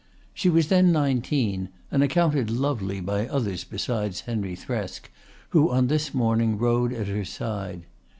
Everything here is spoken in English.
She was then nineteen and accounted lovely by others besides Henry Thresk, who on this morning rode at her side.